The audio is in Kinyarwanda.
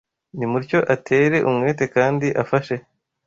Nimutyo atere umwete kandi afashe